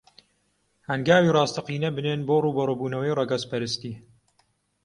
هەنگاوی ڕاستەقینە بنێن بۆ ڕووبەڕووبوونەوەی ڕەگەزپەرستی